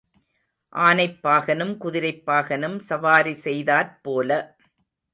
ஆனைப் பாகனும் குதிரைப் பாகனும் சவாரி செய்தாற் போல.